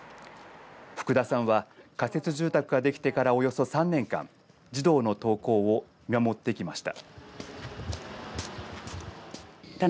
福田さんは、仮設住宅ができてからおよそ３年間児童の登校を見守ってきました。